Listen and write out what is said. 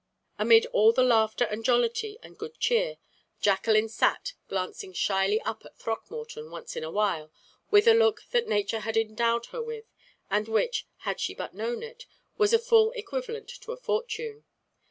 Amid all the laughter and jollity and good cheer, Jacqueline sat, glancing shyly up at Throckmorton once in a while with a look that Nature had endowed her with, and which, had she but known it, was a full equivalent to a fortune.